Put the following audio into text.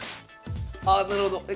ああなるほどえ？